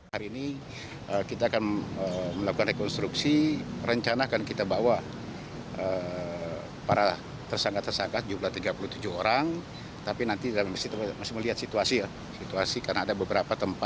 hari ini kita akan melakukan rekonstruksi rencana akan kita bawa